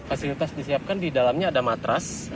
fasilitas disiapkan di dalamnya ada matras